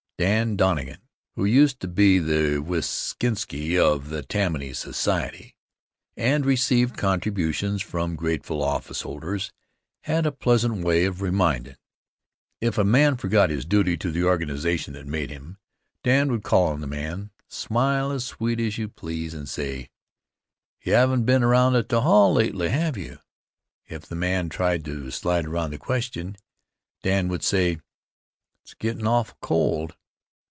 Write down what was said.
Dan Donegan, who used to be the Wiskinkie of the Tammany Society, and received contributions from grateful officeholders, had a pleasant way of remindin'. If a man forgot his duty to the organization that made him, Dan would call on the man, smile as sweet as you please and say: "You haven't been round at the Hall lately, have you?" If the man tried to slide around the question, Dan would say: "It's gettin' awful cold."